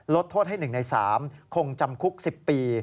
ลดโทษให้๑ใน๓คงจำคุก๑๐ปี